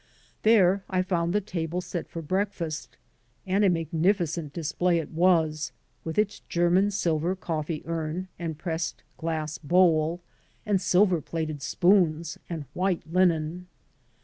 There I found the table set for breakfast, and a magnificent display it was, with its German sflver coffee urn and pressed glass bowl, and silver plated spoons and white linen.